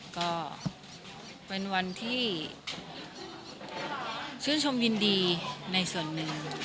ก็เป็นวันที่ชื่นชมยินดีในส่วนหนึ่ง